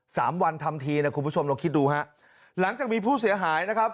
สามวันทำทีนะคุณผู้ชมลองคิดดูฮะหลังจากมีผู้เสียหายนะครับ